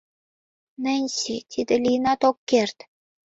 Ненси, тиде лийынат ок керт...